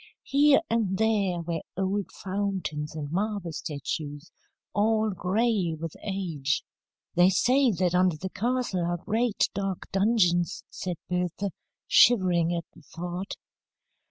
Here and there were old fountains and marble statues, all gray with age." "They say that under the castle are great, dark dungeons," said Bertha, shivering at the thought.